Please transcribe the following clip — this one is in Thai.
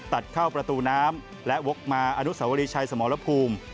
ตัดเข้าประตูน้ำและวกมาอนุสวรีชัยสมรภูมิ